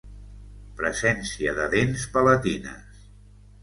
Presència de dents palatines.